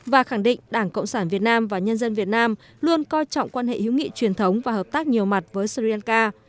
và khẳng định đảng cộng sản việt nam và nhân dân việt nam luôn coi trọng quan hệ hữu nghị truyền thống và hợp tác nhiều mặt với sri lanka